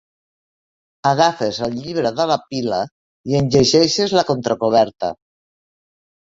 Agafes el llibre de la pila i en llegeixes la contracoberta.